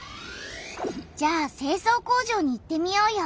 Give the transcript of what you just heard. じゃあ清掃工場に行ってみようよ。